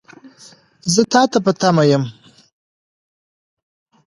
زه تا ته په تمه یم .